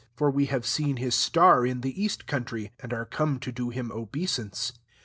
for we have seen his star in the east'coxmivy, and are come to do him obeisance.